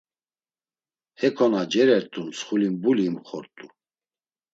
Heko na cerert̆u mtsxulimbuli imxort̆u.